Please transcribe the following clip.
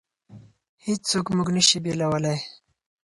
هېڅوک موږ نشي بېلولی.